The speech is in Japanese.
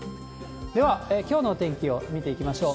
では、きょうのお天気を見ていきましょう。